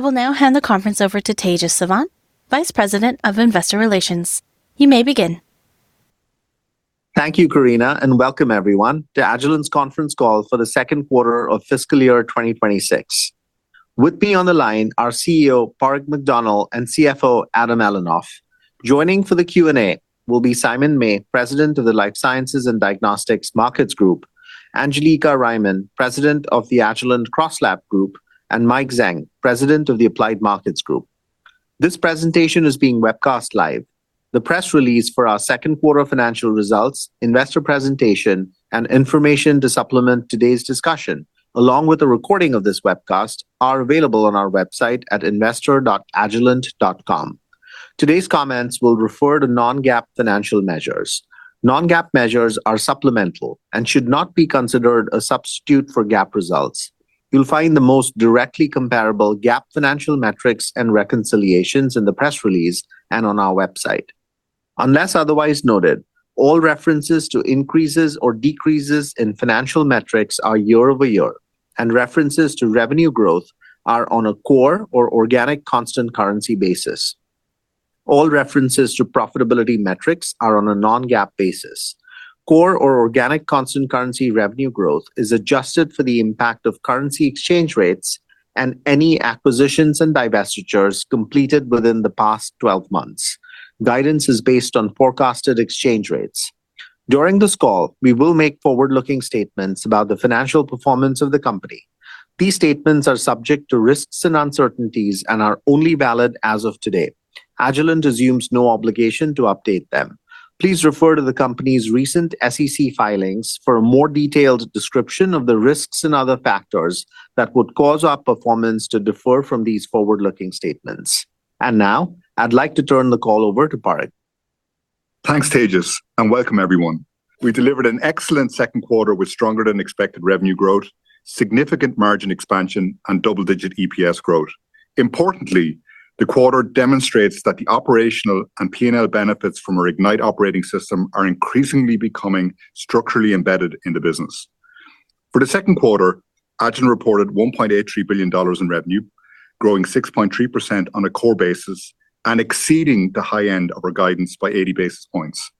I will now hand the conference over to Tejas Savant, Vice President of Investor Relations, you may begin. Thank you, Karina, and welcome everyone to Agilent's Conference Call for the Second Quarter of Fiscal Year 2026. With me on the line are CEO, Padraig McDonnell, and CFO, Adam Elinoff. Joining for the Q&A will be Simon May, President of the Life Sciences and Diagnostics Markets Group, Angelica Riemann, President of the Agilent CrossLab Group, and Mike Zhang, President of the Applied Markets Group. This presentation is being webcast live. The press release for our second quarter financial results, investor presentation, and information to supplement today's discussion, along with a recording of this webcast, are available on our website at investor.agilent.com. Today's comments will refer to non-GAAP financial measures. Non-GAAP measures are supplemental and should not be considered a substitute for GAAP results. You'll find the most directly comparable GAAP financial metrics and reconciliations in the press release and on our website. Unless otherwise noted, all references to increases or decreases in financial metrics are year-over-year, and references to revenue growth are on a core or organic constant currency basis. All references to profitability metrics are on a non-GAAP basis. Core or organic constant currency revenue growth is adjusted for the impact of currency exchange rates and any acquisitions and divestitures completed within the past 12 months. Guidance is based on forecasted exchange rates. During this call, we will make forward-looking statements about the financial performance of the company. These statements are subject to risks and uncertainties and are only valid as of today. Agilent assumes no obligation to update them. Please refer to the company's recent SEC filings for a more detailed description of the risks and other factors that would cause our performance to differ from these forward-looking statements. Now I'd like to turn the call over to Padraig. Thanks, Tejas, and welcome everyone. We delivered an excellent second quarter with stronger than expected revenue growth, significant margin expansion, and double-digit EPS growth. Importantly, the quarter demonstrates that the operational and P&L benefits from our Ignite Operating System are increasingly becoming structurally embedded in the business. For the second quarter, Agilent reported $1.83 billion in revenue, growing 6.3% on a core basis and exceeding the high end of our guidance by 80 basis points.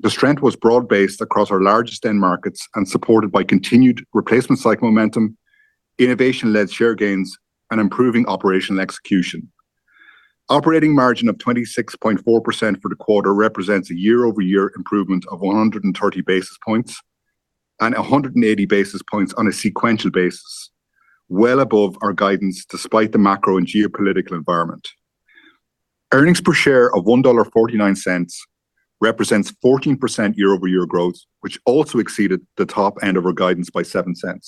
The strength was broad-based across our largest end markets and supported by continued replacement cycle momentum, innovation-led share gains, and improving operational execution. Operating margin of 26.4% for the quarter represents a year-over-year improvement of 130 basis points and 180 basis points on a sequential basis, well above our guidance despite the macro and geopolitical environment. Earnings per share of $1.49 represents 14% year-over-year growth, which also exceeded the top end of our guidance by $0.07.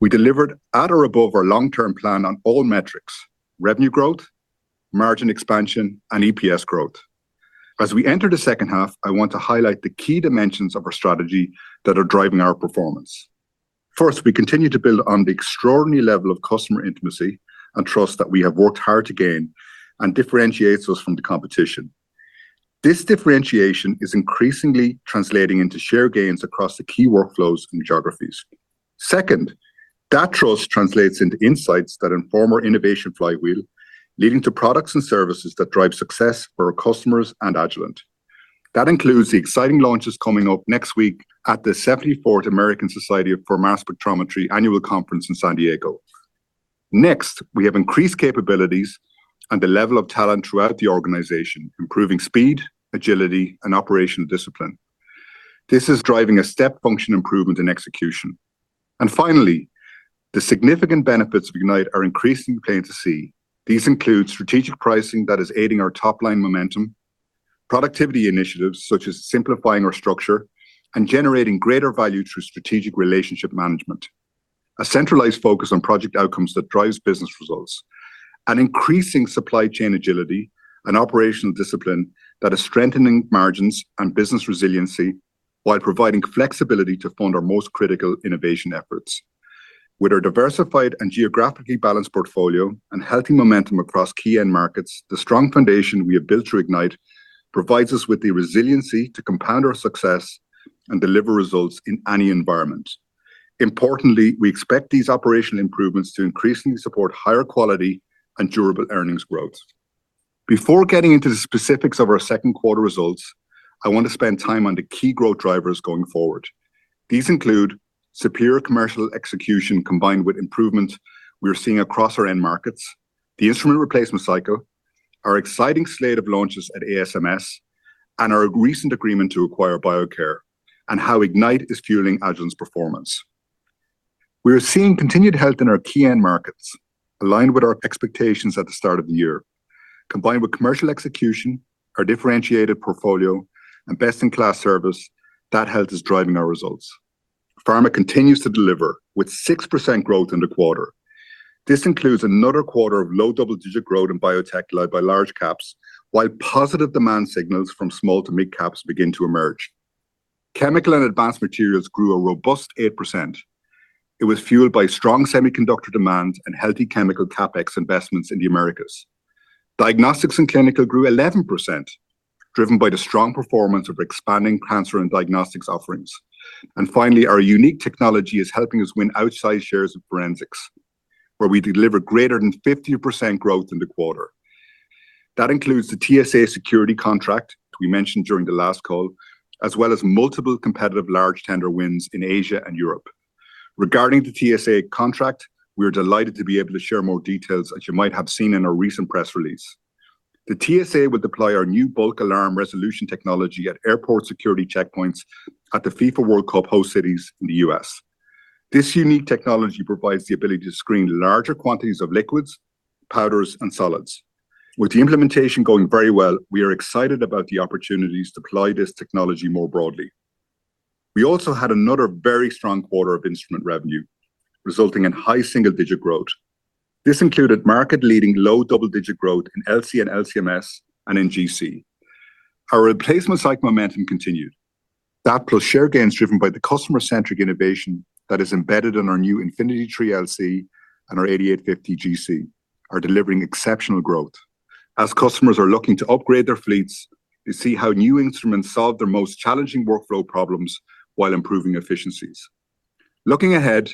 We delivered at or above our long-term plan on all metrics, revenue growth, margin expansion and EPS growth. As we enter the second half, I want to highlight the key dimensions of our strategy that are driving our performance. First, we continue to build on the extraordinary level of customer intimacy and trust that we have worked hard to gain and differentiates us from the competition. This differentiation is increasingly translating into share gains across the key workflows and geographies. Second, that trust translates into insights that inform our innovation flywheel, leading to products and services that drive success for our customers and Agilent. That includes the exciting launches coming up next week at the 74th American Society for Mass Spectrometry Annual Conference in San Diego. Next, we have increased capabilities and the level of talent throughout the organization, improving speed, agility and operational discipline. This is driving a step function improvement in execution. Finally, the significant benefits of Ignite are increasingly plain to see. These include strategic pricing that is aiding our top-line momentum, productivity initiatives such as simplifying our structure and generating greater value through strategic relationship management, a centralized focus on project outcomes that drives business results, and increasing supply chain agility and operational discipline that is strengthening margins and business resiliency while providing flexibility to fund our most critical innovation efforts. With our diversified and geographically balanced portfolio and healthy momentum across key end markets, the strong foundation we have built through Ignite provides us with the resiliency to compound our success and deliver results in any environment. Importantly, we expect these operational improvements to increasingly support higher quality and durable earnings growth. Before getting into the specifics of our second quarter results, I want to spend time on the key growth drivers going forward. These include superior commercial execution combined with improvement we're seeing across our end markets, the instrument replacement cycle, our exciting slate of launches at ASMS, and our recent agreement to acquire Biocare, and how Ignite is fueling Agilent's performance. We are seeing continued health in our key end markets, aligned with our expectations at the start of the year. Combined with commercial execution, our differentiated portfolio and best-in-class service, that health is driving our results. Pharma continues to deliver with 6% growth in the quarter. This includes another quarter of low double-digit growth in biotech led by large caps, while positive demand signals from small to mid-caps begin to emerge. Chemical and advanced materials grew a robust 8%. It was fueled by strong semiconductor demand and healthy chemical CapEx investments in the Americas. Diagnostics and clinical grew 11%. Driven by the strong performance of expanding cancer and diagnostics offerings. Finally, our unique technology is helping us win outsized shares of forensics, where we delivered greater than 50% growth in the quarter. That includes the TSA security contract we mentioned during the last call, as well as multiple competitive large tender wins in Asia and Europe. Regarding the TSA contract, we are delighted to be able to share more details, as you might have seen in our recent press release. The TSA will deploy our new bulk alarm resolution technology at airport security checkpoints at the FIFA World Cup host cities in the U.S. This unique technology provides the ability to screen larger quantities of liquids, powders, and solids. With the implementation going very well, we are excited about the opportunities to deploy this technology more broadly. We also had another very strong quarter of instrument revenue, resulting in high single-digit growth. This included market-leading low double-digit growth in LC and LC-MS and in GC. Our replacement site momentum continued. That plus share gains driven by the customer-centric innovation that is embedded in our new Infinity III LC and our 8850 GC are delivering exceptional growth as customers are looking to upgrade their fleets to see how new instruments solve their most challenging workflow problems while improving efficiencies. Looking ahead,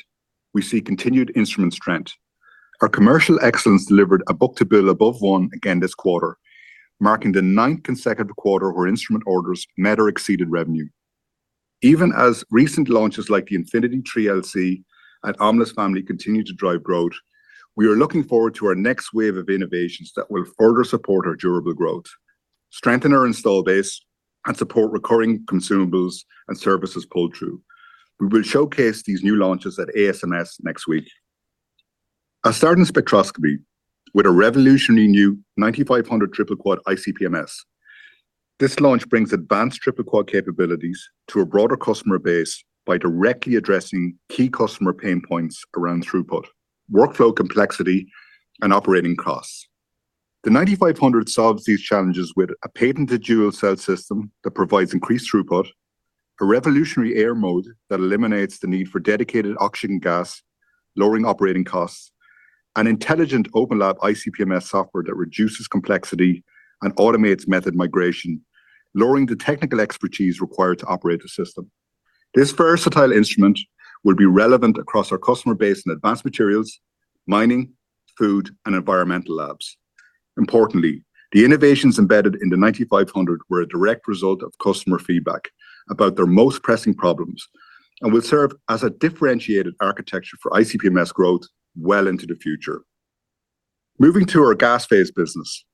we see continued instrument strength. Our commercial excellence delivered a book-to-bill above one again this quarter, marking the ninth consecutive quarter where instrument orders met or exceeded revenue. Even as recent launches like the Infinity III LC and Omnis family continue to drive growth, we are looking forward to our next wave of innovations that will further support our durable growth, strengthen our install base, and support recurring consumables and services pull-through. We will showcase these new launches at ASMS next week. I'll start in spectroscopy with a revolutionary new 9500 Triple Quadrupole ICP-MS. This launch brings advanced triple quad capabilities to a broader customer base by directly addressing key customer pain points around throughput, workflow complexity, and operating costs. The 9500 solves these challenges with a patented dual cell system that provides increased throughput, a revolutionary air mode that eliminates the need for dedicated oxygen gas, lowering operating costs, an intelligent OpenLab ICP-MS software that reduces complexity and automates method migration, lowering the technical expertise required to operate the system. This versatile instrument will be relevant across our customer base in advanced materials, mining, food, and environmental labs. Importantly, the innovations embedded in the 9500 were a direct result of customer feedback about their most pressing problems and will serve as a differentiated architecture for ICP-MS growth well into the future. Moving to our gas phase business,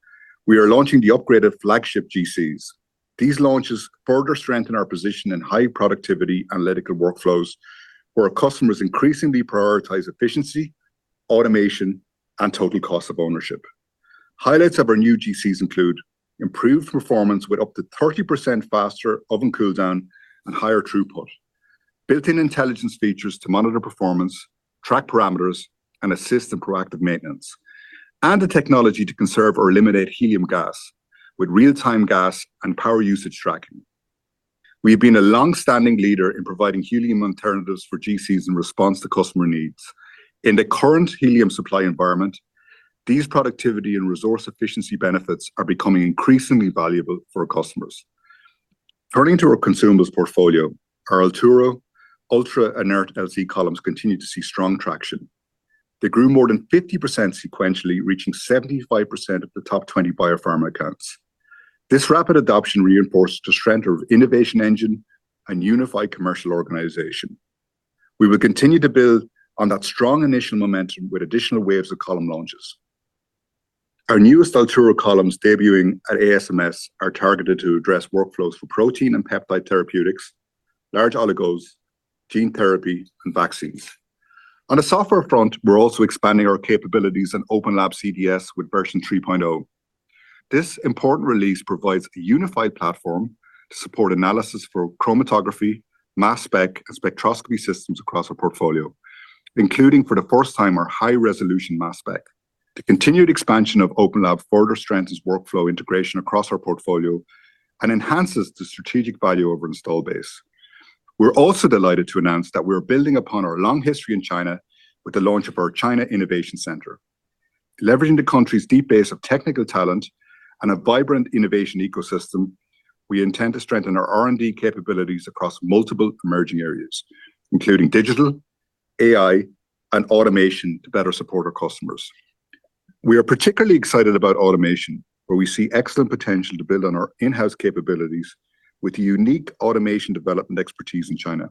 we are launching the upgraded flagship GCs. These launches further strengthen our position in high productivity analytical workflows where our customers increasingly prioritize efficiency, automation, and total cost of ownership. Highlights of our new GCs include improved performance with up to 30% faster oven cool-down and higher throughput, built-in intelligence features to monitor performance, track parameters, and assist in proactive maintenance, and the technology to conserve or eliminate helium gas with real-time gas and power usage tracking. We have been a long-standing leader in providing helium alternatives for GCs in response to customer needs. In the current helium supply environment, these productivity and resource efficiency benefits are becoming increasingly valuable for our customers. Turning to our consumable's portfolio, our Altura Ultra Inert HPLC Columns continue to see strong traction. They grew more than 50% sequentially, reaching 75% of the top 20 biopharma accounts. This rapid adoption reinforces the strength of innovation engine and unified commercial organization. We will continue to build on that strong initial momentum with additional waves of column launches. Our newest Altura columns debuting at ASMS are targeted to address workflows for protein and peptide therapeutics, large oligos, gene therapy, and vaccines. On the software front, we're also expanding our capabilities in OpenLab CDS with version 3.0. This important release provides a unified platform to support analysis for chromatography, mass spec, and spectroscopy systems across our portfolio, including for the first time our high-resolution mass spec. The continued expansion of OpenLab further strengthens workflow integration across our portfolio and enhances the strategic value of our install base. We are also delighted to announce that we are building upon our long history in China with the launch of our China Innovation Center. Leveraging the country's deep base of technical talent and a vibrant innovation ecosystem, we intend to strengthen our R&D capabilities across multiple emerging areas, including digital, AI, and automation to better support our customers. We are particularly excited about automation, where we see excellent potential to build on our in-house capabilities with unique automation development expertise in China.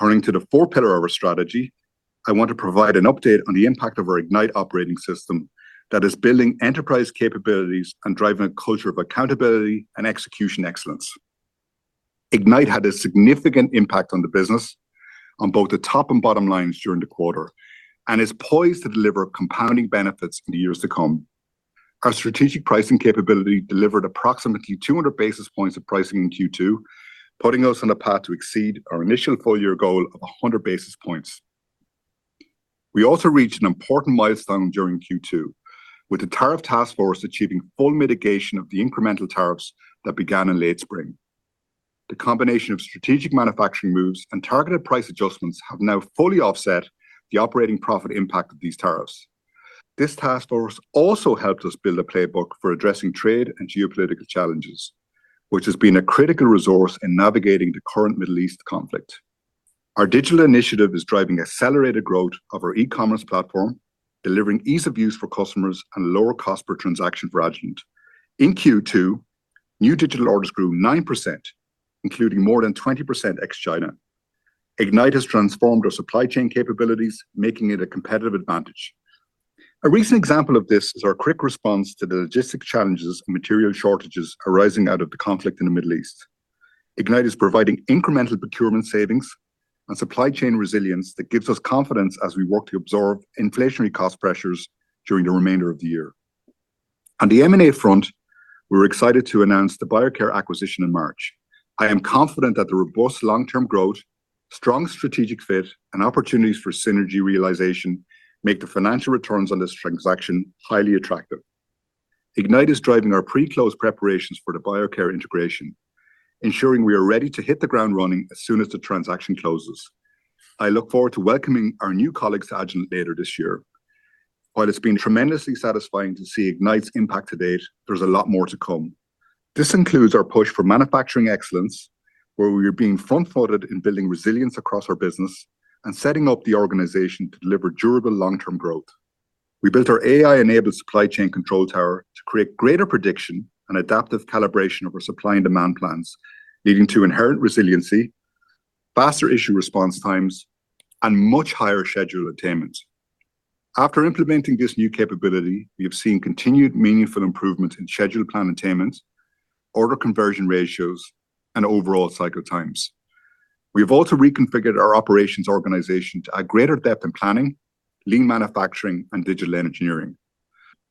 Turning to the fourth pillar of our strategy, I want to provide an update on the impact of our Ignite Operating System that is building enterprise capabilities and driving a culture of accountability and execution excellence. Ignite had a significant impact on the business on both the top and bottom lines during the quarter and is poised to deliver compounding benefits in the years to come. Our strategic pricing capability delivered approximately 200 basis points of pricing in Q2, putting us on a path to exceed our initial full-year goal of 100 basis points. We also reached an important milestone during Q2, with the tariff task force achieving full mitigation of the incremental tariffs that began in late spring. The combination of strategic manufacturing moves and targeted price adjustments have now fully offset the operating profit impact of these tariffs. This task force also helped us build a playbook for addressing trade and geopolitical challenges, which has been a critical resource in navigating the current Middle East conflict. Our digital initiative is driving accelerated growth of our e-commerce platform, delivering ease of use for customers and lower cost per transaction for Agilent. In Q2, new digital orders grew 9%, including more than 20% ex-China. Ignite has transformed our supply chain capabilities, making it a competitive advantage. A recent example of this is our quick response to the logistic challenges and material shortages arising out of the conflict in the Middle East. Ignite is providing incremental procurement savings and supply chain resilience that gives us confidence as we work to absorb inflationary cost pressures during the remainder of the year. On the M&A front, we're excited to announce the Biocare acquisition in March. I am confident that the robust long-term growth, strong strategic fit, and opportunities for synergy realization make the financial returns on this transaction highly attractive. Ignite is driving our pre-close preparations for the Biocare integration, ensuring we are ready to hit the ground running as soon as the transaction closes. I look forward to welcoming our new colleagues to Agilent later this year. While it's been tremendously satisfying to see Ignite's impact to date, there's a lot more to come. This includes our push for manufacturing excellence, where we are being front-footed in building resilience across our business and setting up the organization to deliver durable long-term growth. We built our AI-enabled supply chain control tower to create greater prediction and adaptive calibration of our supply and demand plans, leading to inherent resiliency, faster issue response times, and much higher schedule attainment. After implementing this new capability, we have seen continued meaningful improvement in schedule plan attainment, order conversion ratios, and overall cycle times. We have also reconfigured our operations organization to add greater depth in planning, lean manufacturing, and digital engineering.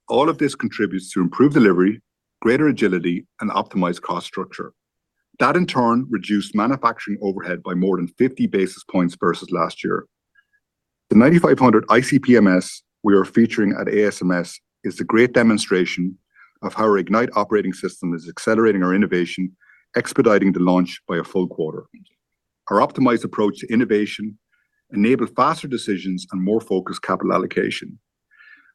All of this contributes to improved delivery, greater agility, and optimized cost structure. That, in turn, reduced manufacturing overhead by more than 50 basis points versus last year. The 9500 ICP-MS we are featuring at ASMS is a great demonstration of how our Ignite Operating System is accelerating our innovation, expediting the launch by a full quarter. Our optimized approach to innovation enable faster decisions and more focused capital allocation.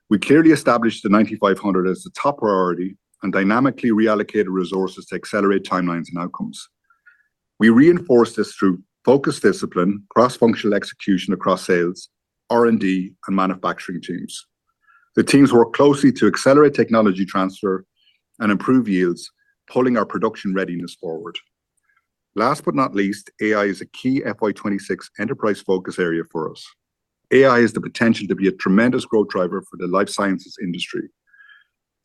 We clearly established the 9500 as the top priority and dynamically reallocated resources to accelerate timelines and outcomes. We reinforce this through focused discipline, cross-functional execution across sales, R&D, and manufacturing teams. The teams work closely to accelerate technology transfer and improve yields, pulling our production readiness forward. AI is a key FY 2026 enterprise focus area for us. AI has the potential to be a tremendous growth driver for the life sciences industry.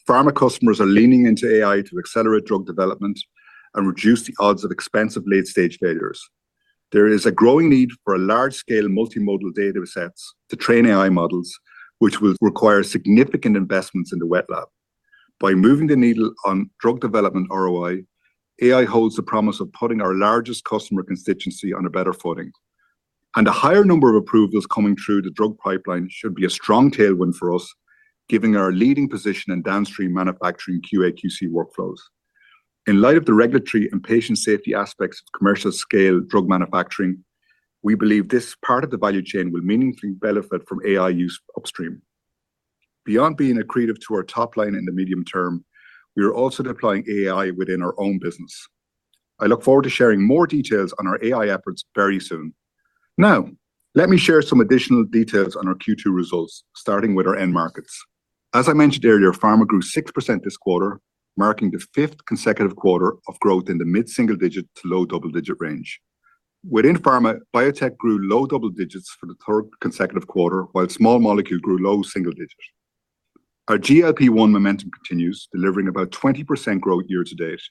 Pharma customers are leaning into AI to accelerate drug development and reduce the odds of expensive late-stage failures. There is a growing need for a large-scale multi-modal datasets to train AI models, which will require significant investments in the wet lab. By moving the needle on drug development ROI, AI holds the promise of putting our largest customer constituency on a better footing. A higher number of approvals coming through the drug pipeline should be a strong tailwind for us, giving our leading position in downstream manufacturing QA/QC workflows. In light of the regulatory and patient safety aspects of commercial scale drug manufacturing, we believe this part of the value chain will meaningfully benefit from AI use upstream. Beyond being accretive to our top line in the medium term, we are also deploying AI within our own business. I look forward to sharing more details on our AI efforts very soon. Let me share some additional details on our Q2 results, starting with our end markets. As I mentioned earlier, pharma grew 6% this quarter, marking the fifth consecutive quarter of growth in the mid-single digit to low-double digit range. Within pharma, biotech grew low double digits for the third consecutive quarter, while small molecule grew low single digit. Our GLP-1 momentum continues, delivering about 20% growth year-to-date,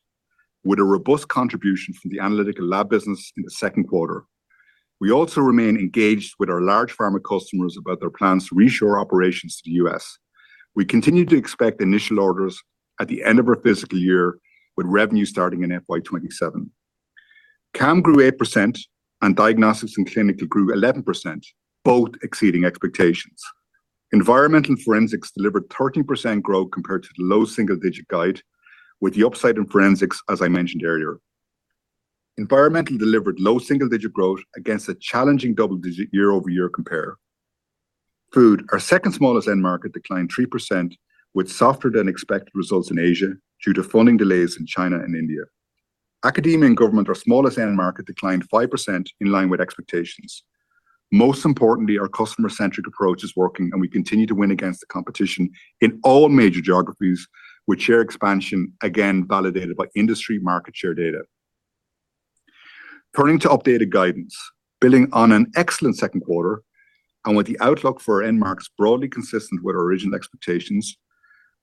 with a robust contribution from the analytical lab business in the second quarter. We also remain engaged with our large pharma customers about their plans to reshore operations to the U.S. We continue to expect initial orders at the end of our fiscal year, with revenue starting in FY 2027. CAM grew 8% and diagnostics and clinical grew 11%, both exceeding expectations. Environmental forensics delivered 13% growth compared to the low single-digit guide, with the upside in forensics as I mentioned earlier. Environmental delivered low single-digit growth against a challenging double-digit year-over-year compare. Food, our second smallest end market, declined 3% with softer-than-expected results in Asia due to funding delays in China and India. Academia and government, our smallest end market, declined 5% in line with expectations. Most importantly, our customer-centric approach is working, and we continue to win against the competition in all major geographies with share expansion, again, validated by industry market share data. Turning to updated guidance, building on an excellent second quarter and with the outlook for our end markets broadly consistent with our original expectations,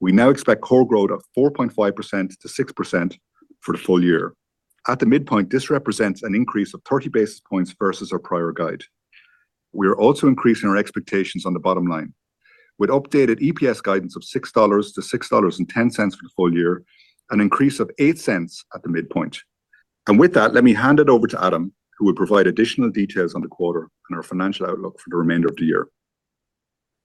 we now expect core growth of 4.5%-6% for the full year. At the midpoint, this represents an increase of 30 basis points versus our prior guide. We are also increasing our expectations on the bottom line. With updated EPS guidance of $6-$6.10 for the full year, an increase of $0.08 at the midpoint. With that, let me hand it over to Adam, who will provide additional details on the quarter and our financial outlook for the remainder of the year.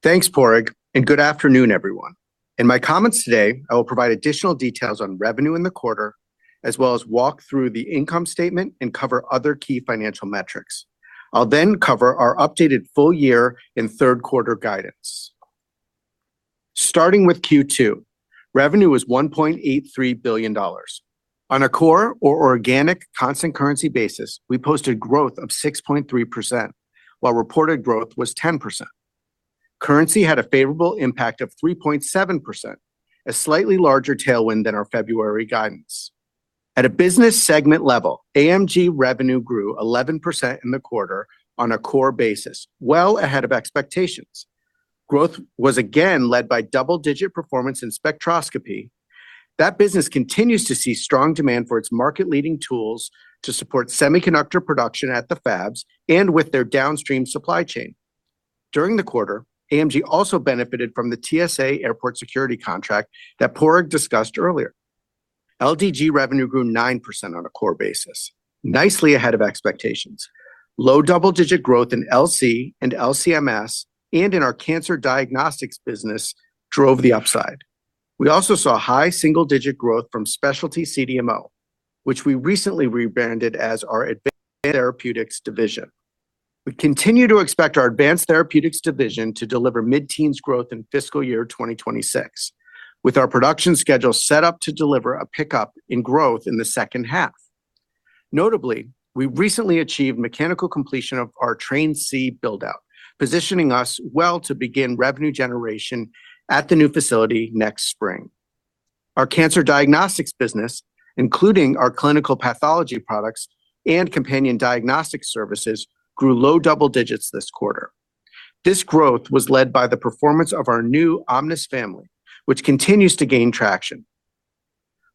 Thanks, Padraig. Good afternoon, everyone. In my comments today, I will provide additional details on revenue in the quarter, as well as walk through the income statement and cover other key financial metrics. I'll then cover our updated full year and third quarter guidance. Starting with Q2, revenue was $1.83 billion. On a core or organic constant currency basis, we posted growth of 6.3%, while reported growth was 10%. Currency had a favorable impact of 3.7%, a slightly larger tailwind than our February guidance. At a business segment level, AMG revenue grew 11% in the quarter on a core basis, well ahead of expectations. Growth was again led by double-digit performance in spectroscopy. That business continues to see strong demand for its market-leading tools to support semiconductor production at the fabs and with their downstream supply chain. During the quarter, AMG also benefited from the TSA airport security contract that Padraig discussed earlier. LDG revenue grew 9% on a core basis, nicely ahead of expectations. Low double-digit growth in LC and LC-MS and in our cancer diagnostics business drove the upside. We also saw high single-digit growth from specialty CDMO, which we recently rebranded as our Advanced Therapeutics Division. We continue to expect our Advanced Therapeutics Division to deliver mid-teens growth in fiscal year 2026, with our production schedule set up to deliver a pickup in growth in the second half. Notably, we recently achieved mechanical completion of our Train C build-out, positioning us well to begin revenue generation at the new facility next spring. Our cancer diagnostics business, including our clinical pathology products and companion diagnostic services, grew low double digits this quarter. This growth was led by the performance of our new Omnis family, which continues to gain traction.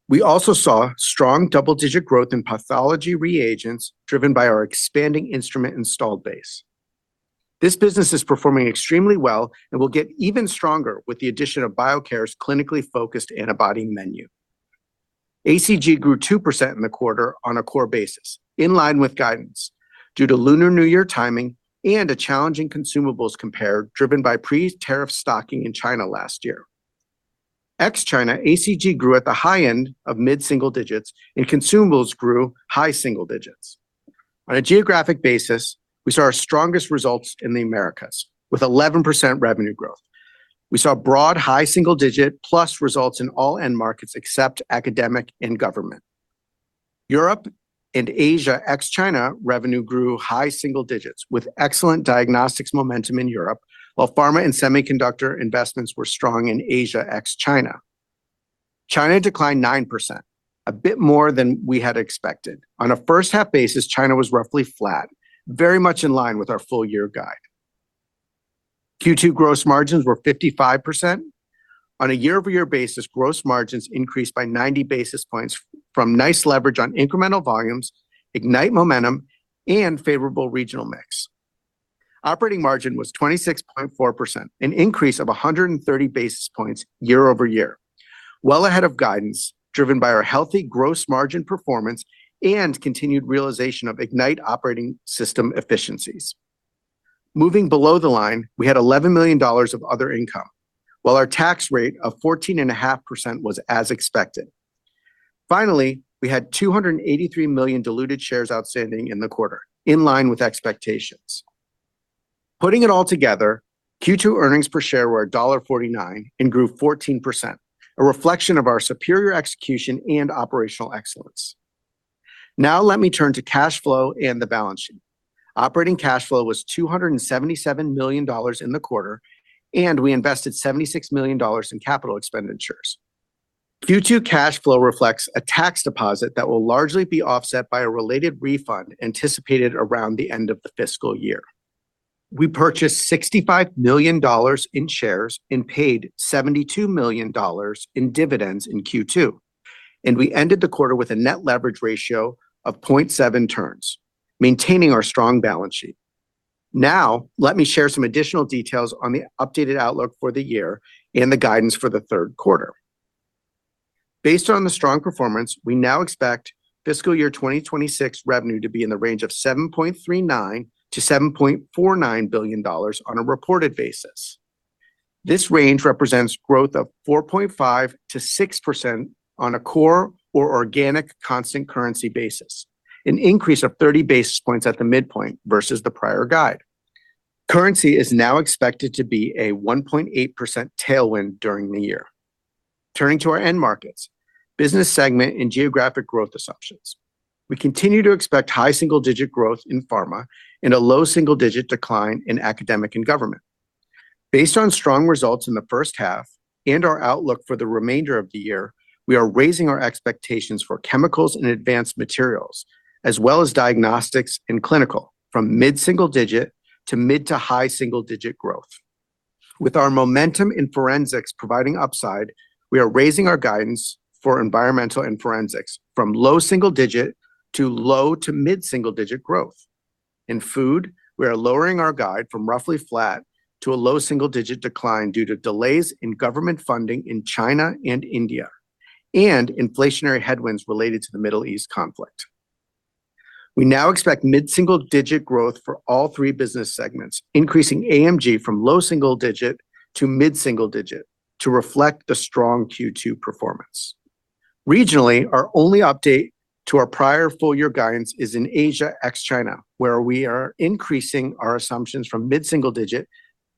We also saw strong double-digit growth in pathology reagents driven by our expanding instrument installed base. This business is performing extremely well and will get even stronger with the addition of Biocare's clinically focused antibody menu. ACG grew 2% in the quarter on a core basis, in line with guidance, due to Lunar New Year timing and a challenging consumables compare driven by pre-tariff stocking in China last year. Ex-China, ACG grew at the high end of mid-single digits and consumables grew high single digits. On a geographic basis, we saw our strongest results in the Americas with 11% revenue growth. We saw broad high single digit plus results in all end markets except academic and government. Europe and Asia ex-China revenue grew high single digits with excellent diagnostics momentum in Europe, while pharma and semiconductor investments were strong in Asia ex-China. China declined 9%, a bit more than we had expected. On a first-half basis, China was roughly flat, very much in line with our full year guide. Q2 gross margins were 55%. On a year-over-year basis, gross margins increased by 90 basis points from nice leverage on incremental volumes, Ignite momentum, and favorable regional mix. Operating margin was 26.4%, an increase of 130 basis points year-over-year. Well ahead of guidance driven by our healthy gross margin performance and continued realization of Ignite Operating System efficiencies. Moving below the line, we had $11 million of other income, while our tax rate of 14.5% was as expected. Finally, we had 283 million diluted shares outstanding in the quarter, in line with expectations. Putting it all together, Q2 earnings per share were $1.49 and grew 14%, a reflection of our superior execution and operational excellence. Let me turn to cash flow and the balance sheet. Operating cash flow was $277 million in the quarter, and we invested $76 million in capital expenditures. Q2 cash flow reflects a tax deposit that will largely be offset by a related refund anticipated around the end of the fiscal year. We purchased $65 million in shares and paid $72 million in dividends in Q2, and we ended the quarter with a net leverage ratio of 0.7 turns, maintaining our strong balance sheet. Let me share some additional details on the updated outlook for the year and the guidance for the third quarter. Based on the strong performance, we now expect fiscal year 2026 revenue to be in the range of $7.39 billion-$7.49 billion on a reported basis. This range represents growth of 4.5%-6% on a core or organic constant currency basis, an increase of 30 basis points at the midpoint versus the prior guide. Currency is now expected to be a 1.8% tailwind during the year. Turning to our end markets, business segment and geographic growth assumptions. We continue to expect high single-digit growth in pharma and a low single-digit decline in academic and government. Based on strong results in the first half and our outlook for the remainder of the year, we are raising our expectations for chemicals and advanced materials as well as diagnostics and clinical from mid-single digit to mid to high single-digit growth. With our momentum in forensics providing upside, we are raising our guidance for environmental and forensics from low single-digit to low to mid-single-digit growth. In food, we are lowering our guide from roughly flat to a low single-digit decline due to delays in government funding in China and India and inflationary headwinds related to the Middle East conflict. We now expect mid-single-digit growth for all three business segments, increasing AMG from low single-digit to mid-single-digit to reflect the strong Q2 performance. Regionally, our only update to our prior full year guidance is in Asia ex China, where we are increasing our assumptions from mid-single-digit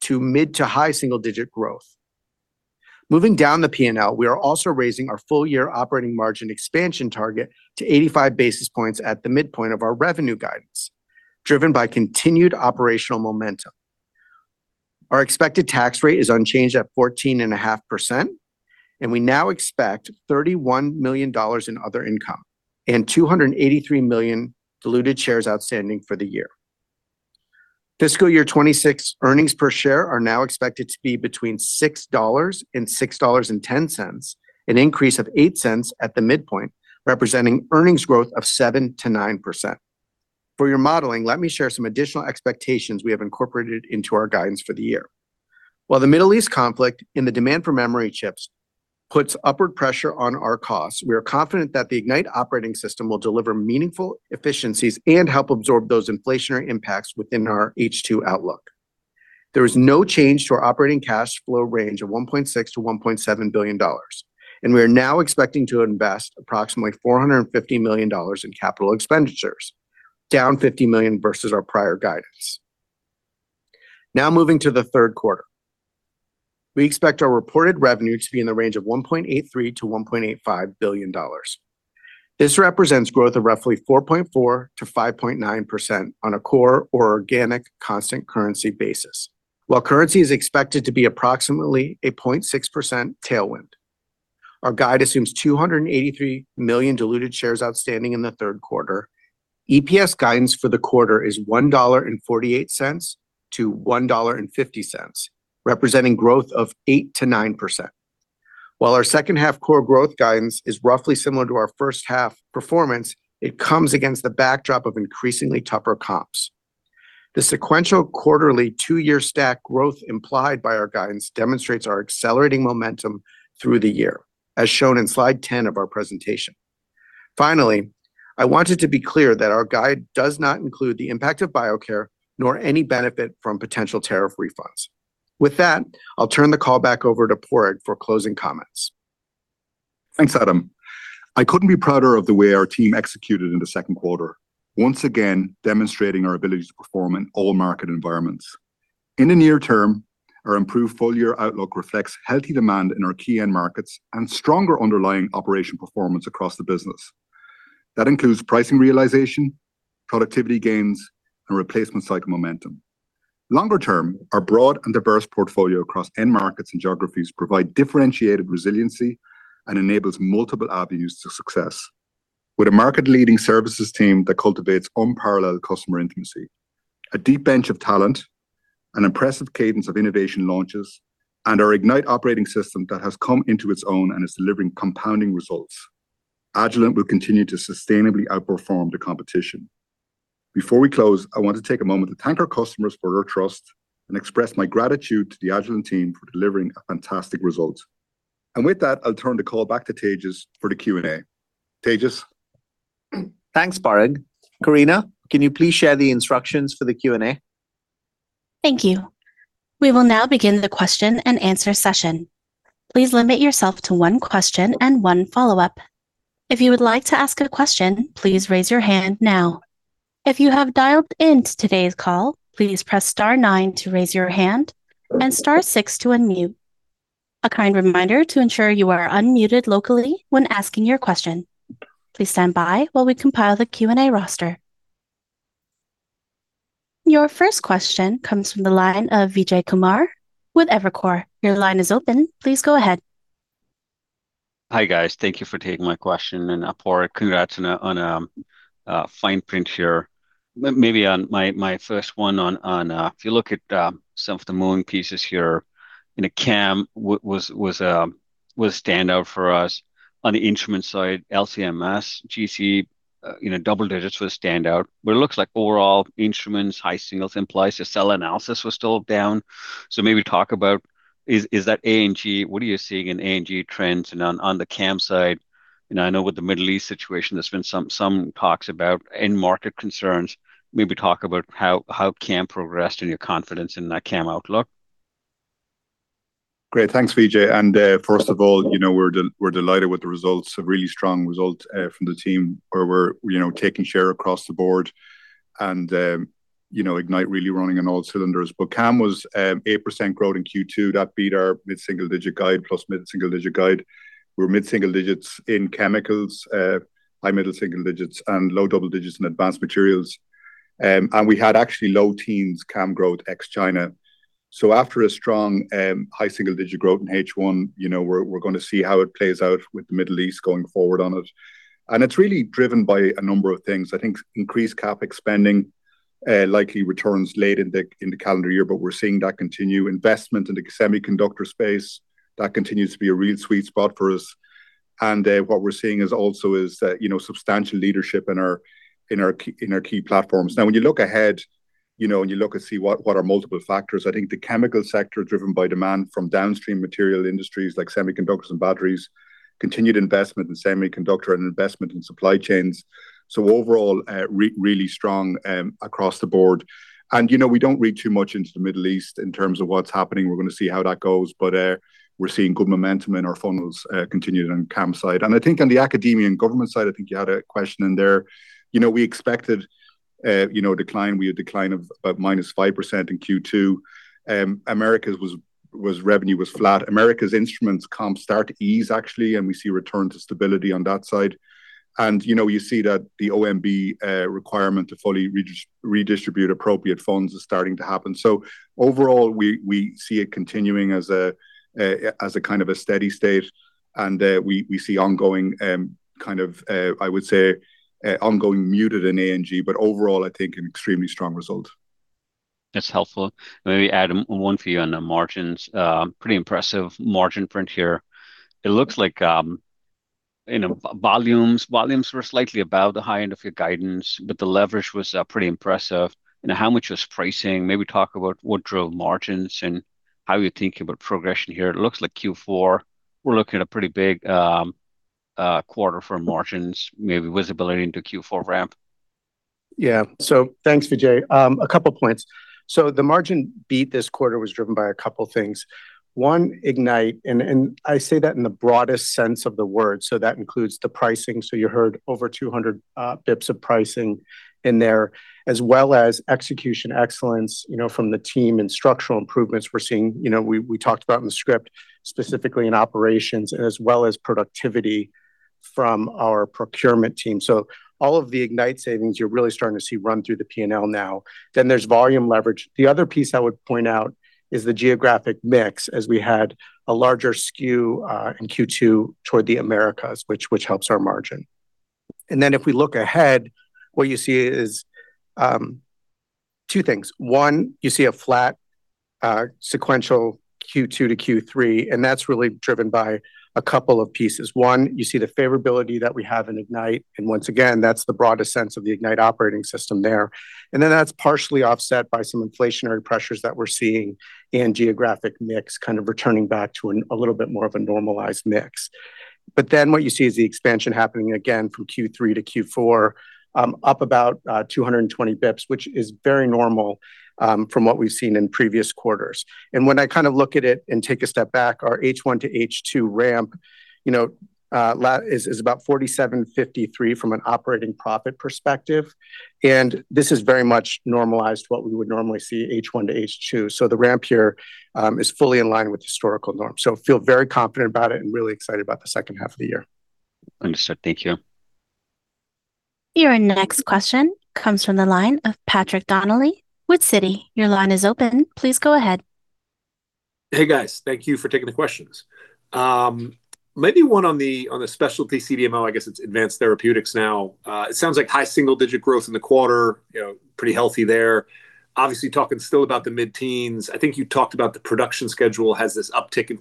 to mid- to high-single-digit growth. Moving down the P&L, we are also raising our full year operating margin expansion target to 85 basis points at the midpoint of our revenue guidance, driven by continued operational momentum. Our expected tax rate is unchanged at 14.5%. We now expect $31 million in other income and 283 million diluted shares outstanding for the year. Fiscal year 2026 earnings per share are now expected to be between $6 and $6.10, an increase of $0.08 at the midpoint, representing earnings growth of 7%-9%. For your modeling, let me share some additional expectations we have incorporated into our guidance for the year. While the Middle East conflict and the demand for memory chips puts upward pressure on our costs, we are confident that the Ignite Operating System will deliver meaningful efficiencies and help absorb those inflationary impacts within our H2 outlook. There is no change to our operating cash flow range of $1.6 billion-$1.7 billion. We are now expecting to invest approximately $450 million in capital expenditures, down $50 million versus our prior guidance. Now moving to the third quarter. We expect our reported revenue to be in the range of $1.83 billion-$1.85 billion. This represents growth of roughly 4.4%-5.9% on a core or organic constant currency basis. While currency is expected to be approximately a 0.6% tailwind, our guide assumes 283 million diluted shares outstanding in the third quarter. EPS guidance for the quarter is $1.48-$1.50, representing growth of 8%-9%. While our second half core growth guidance is roughly similar to our first half performance, it comes against the backdrop of increasingly tougher comps. The sequential quarterly two-year stack growth implied by our guidance demonstrates our accelerating momentum through the year, as shown in slide 10 of our presentation. Finally, I want it to be clear that our guide does not include the impact of Biocare nor any benefit from potential tariff refunds. With that, I'll turn the call back over to Padraig for closing comments. Thanks, Adam. I couldn't be prouder of the way our team executed in the second quarter, once again demonstrating our ability to perform in all market environments. In the near term, our improved full year outlook reflects healthy demand in our key end markets and stronger underlying operation performance across the business. That includes pricing realization, productivity gains, and replacement cycle momentum. Longer term, our broad and diverse portfolio across end markets and geographies provide differentiated resiliency and enables multiple avenues to success. With a market leading services team that cultivates unparalleled customer intimacy, a deep bench of talent, an impressive cadence of innovation launches, and our Ignite Operating System that has come into its own and is delivering compounding results, Agilent will continue to sustainably outperform the competition. Before we close, I want to take a moment to thank our customers for their trust and express my gratitude to the Agilent team for delivering a fantastic result. With that, I'll turn the call back to Tejas for the Q&A. Tejas? Thanks, Padraig. Karina, can you please share the instructions for the Q&A? Thank you, we will now begin the question and answer session. Please limit yourself to one question and one follow-up. Your first question comes from the line of Vijay Kumar with Evercore. Your line is open, please go ahead. Hi, guys, thank you for taking my question. Padraig, congrats on a fine print here. Maybe my first one on, if you look at some of the moving pieces here, CAM was standout for us. On the instrument side, LC-MS, GC, double digits was standout, but it looks like overall instruments, high signals implies your cell analysis was still down. Maybe talk about, is that A&G? What are you seeing in A&G trends? On the CAM side, I know with the Middle East situation, there's been some talks about end market concerns. Maybe talk about how CAM progressed and your confidence in that CAM outlook. Great, thanks, Vijay. First of all, we're delighted with the results, a really strong result from the team where we're taking share across the board and Ignite really running on all cylinders. CAM was 8% growth in Q2. That beat our mid-single digit guide plus mid-single digit guide. We're mid-single digits in chemicals, high middle single digits, and low double digits in advanced materials. We had actually low teens CAM growth ex China. After a strong high single digit growth in H1, we're going to see how it plays out with the Middle East going forward on it. It's really driven by a number of things. I think increased CapEx spending likely returns late in the calendar year, but we're seeing that continue. Investment in the semiconductor space, that continues to be a real sweet spot for us. What we're seeing is also substantial leadership in our key platforms. When you look and see what are multiple factors, I think the chemical sector driven by demand from downstream material industries like semiconductors and batteries, continued investment in semiconductor and investment in supply chains. Overall, really strong across the board. We don't read too much into the Middle East in terms of what's happening. We're going to see how that goes. We're seeing good momentum in our funnels continued on the CAM side. I think on the academia and government side, I think you had a question in there. We expected a decline; we had a decline of -5% in Q2. Americas revenue was flat. Americas instruments comp start to ease, actually, and we see a return to stability on that side. You see that the OMB requirement to fully redistribute appropriate funds is starting to happen. Overall, we see it continuing as a steady state, and we see ongoing, I would say, ongoing muted in AMG, but overall, I think an extremely strong result. That's helpful, let me add one for you on the margins. Pretty impressive margin print here. It looks like volumes were slightly above the high end of your guidance, but the leverage was pretty impressive. How much was pricing? Maybe talk about what drove margins and how you're thinking about progression here. It looks like Q4, we're looking at a pretty big quarter for margins, maybe visibility into Q4 ramp. Thanks, Vijay, a couple points. The margin beat this quarter was driven by a couple things. One, Ignite, and I say that in the broadest sense of the word, so that includes the pricing. You heard over 200 basis points of pricing in there, as well as execution excellence from the team and structural improvements we're seeing. We talked about in the script, specifically in operations, as well as productivity from our procurement team. All of the Ignite savings you're really starting to see run through the P&L now. There's volume leverage. The other piece I would point out is the geographic mix, as we had a larger SKU in Q2 toward the Americas, which helps our margin. If we look ahead, what you see is two things. You see a flat sequential Q2 to Q3, that's really driven by a couple of pieces. You see the favorability that we have in Ignite, once again, that's the broadest sense of the Ignite Operating System there. That's partially offset by some inflationary pressures that we're seeing in geographic mix, returning back to a little bit more of a normalized mix. What you see is the expansion happening again from Q3 to Q4 up about 220 basis points, which is very normal from what we've seen in previous quarters. When I look at it and take a step back, our H1 to H2 ramp is about 47.53 from an operating profit perspective, this is very much normalized to what we would normally see H1 to H2. The ramp here is fully in line with historical norms. Feel very confident about it and really excited about the second half of the year. Understood, thank you. Your next question comes from the line of Patrick Donnelly with Citi. Your line is open, please go ahead. Hey, guys. Thank you for taking the questions. Maybe one on the specialty CDMO, I guess it's Advanced Therapeutics now. It sounds like high single-digit growth in the quarter, pretty healthy there. Obviously talking still about the mid-teens. I think you talked about the production schedule has this uptick in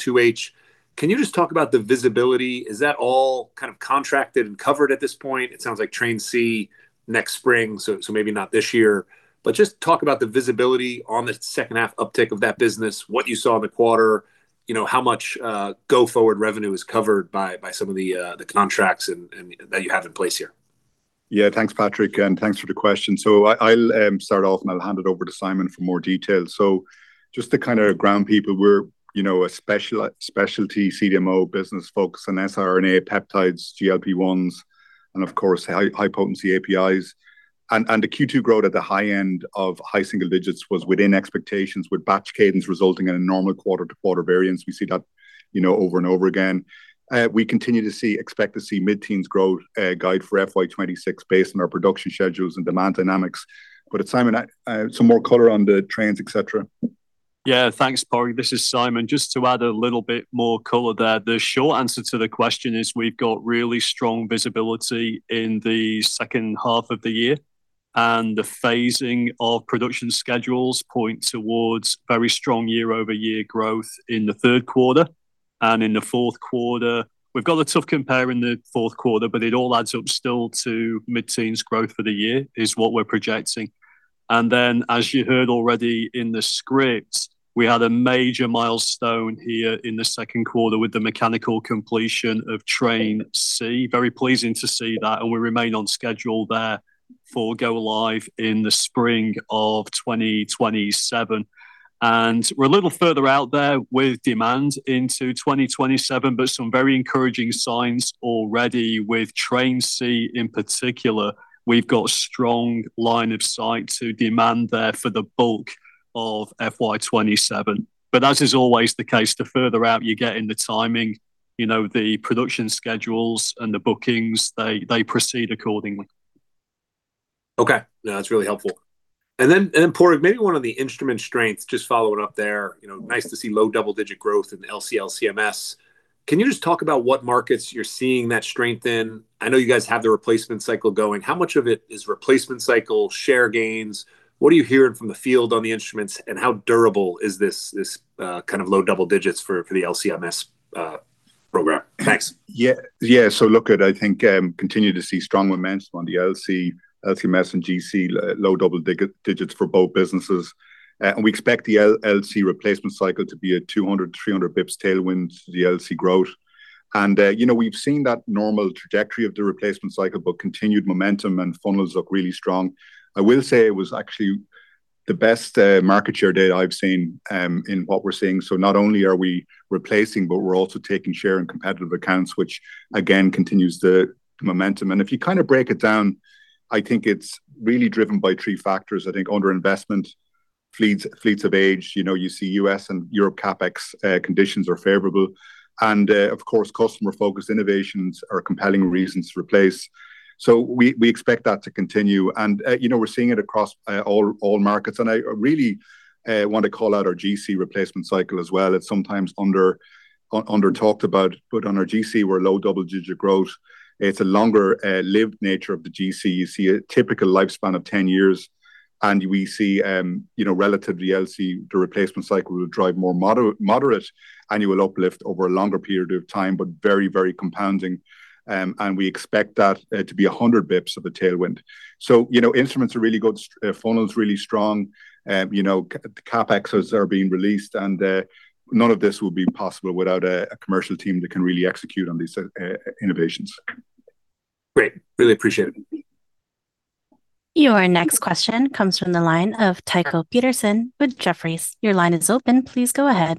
2H. You just talk about the visibility? Is that all contracted and covered at this point? It sounds like Train C next spring, so maybe not this year. Just talk about the visibility on the second half uptick of that business, what you saw in the quarter, how much go forward revenue is covered by some of the contracts that you have in place here. Yeah, thanks, Patrick, and thanks for the question. I'll start off, and I'll hand it over to Simon for more details. Just to ground people, we're a specialty CDMO business focused on sRNA, peptides, GLP-1s, and of course, high-potency APIs. The Q2 growth at the high end of high single digits was within expectations with batch cadence resulting in a normal quarter-to-quarter variance. We see that over and over again. We continue to expect to see mid-teens growth guide for FY 2026 based on our production schedules and demand dynamics. Simon, some more color on the trends, et cetera. Yeah, thanks, Padraig. This is Simon, just to add a little bit more color there, the short answer to the question is we've got really strong visibility in the second half of the year. The phasing of production schedules point towards very strong year-over-year growth in the third quarter. In the fourth quarter, we've got a tough compare in the fourth quarter, but it all adds up still to mid-teens growth for the year is what we're projecting. As you heard already in the script, we had a major milestone here in the second quarter with the mechanical completion of Train C. Very pleasing to see that. We remain on schedule there for go live in the spring of 2027. We're a little further out there with demand into 2027, but some very encouraging signs already with Train C in particular. We've got strong line of sight to demand there for the bulk of FY 2027. As is always the case, the further out you get in the timing, the production schedules and the bookings, they proceed accordingly. Okay, no, that's really helpful. Padraig, maybe one of the instrument strengths, just following up there, nice to see low double-digit growth in the LC-MS. Can you just talk about what markets you're seeing that strength in? I know you guys have the replacement cycle going. How much of it is replacement cycle, share gains? What are you hearing from the field on the instruments, and how durable is this low double digits for the LC-MS program, thanks. Yeah, look, I think continue to see strong momentum on the LC-MS and GC, low double digits for both businesses. We expect the LC replacement cycle to be a 200 basis points-300 basis points tailwind to the LC growth. We've seen that normal trajectory of the replacement cycle, but continued momentum and funnels look really strong. I will say it was actually the best market share data I've seen in what we're seeing. Not only are we replacing, but we're also taking share in competitive accounts, which again, continues the momentum. If you break it down, I think it's really driven by three factors, I think underinvestment, fleets of age, you see U.S. and Europe CapEx conditions are favorable, and of course, customer-focused innovations are compelling reasons to replace. We expect that to continue, and we're seeing it across all markets. I really want to call out our GC replacement cycle as well. It's sometimes under-talked about, but on our GC, we're low double-digit growth. It's a longer-lived nature of the GC. You see a typical lifespan of 10 years, and we see relatively LC, the replacement cycle will drive more moderate annual uplift over a longer period of time, but very compounding. We expect that to be 100 basis points of a tailwind. Instruments are really good, funnel's really strong. The CapEx are being released, and none of this will be possible without a commercial team that can really execute on these innovations. Great, really appreciate it. Your next question comes from the line of Tycho Peterson with Jefferies. Your line is open, please go ahead.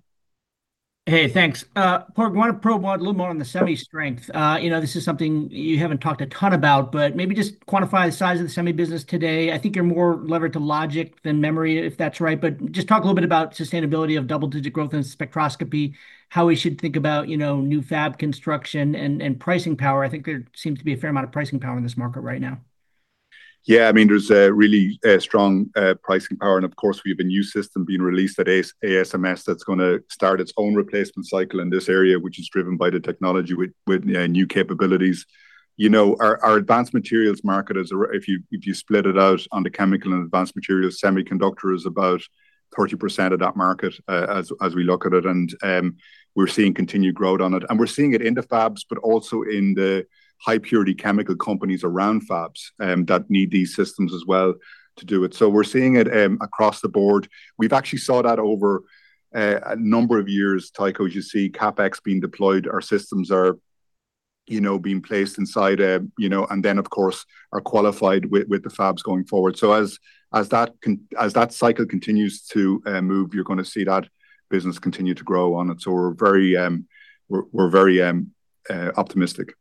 Hey, thanks. Padraig, I want to probe a little more on the semi strength. This is something you haven't talked a ton about. Maybe just quantify the size of the semi business today. I think you're more levered to logic than memory, if that's right. Just talk a little bit about sustainability of double-digit growth and spectroscopy, how we should think about new fab construction and pricing power. I think there seems to be a fair amount of pricing power in this market right now. Yeah, there's a really strong pricing power. Of course, we have a new system being released at ASMS that's going to start its own replacement cycle in this area, which is driven by the technology with new capabilities. Our advanced materials market is, if you split it out on the chemical and advanced materials, semiconductor is about 30% of that market as we look at it. We're seeing continued growth on it. We're seeing it in the fabs, also in the high-purity chemical companies around fabs that need these systems as well to do it. We're seeing it across the board. We've actually saw that over a number of years, Tycho, as you see CapEx being deployed, our systems are being placed inside then, of course, are qualified with the fabs going forward. As that cycle continues to move, you're going to see that business continue to grow on it, we're very optimistic.